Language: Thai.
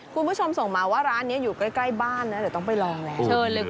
คุณผู้ชมส่งมาว่าร้านเนี้ยอยู่ใกล้บ้านเดี๋ยวต้องไปลองแหละ